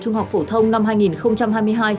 trung học phổ thông năm hai nghìn hai mươi hai